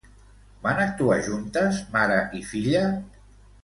Van actuar juntes, mare i filla?